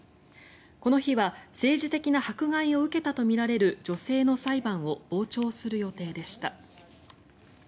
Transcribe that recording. この日は政治的な迫害を受けたとみられる女性の裁判を傍聴する予定でした。